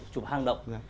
chụp hang động